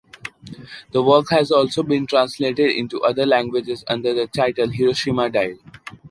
The work has also been translated into other languages under the title “Hiroshima Diary”.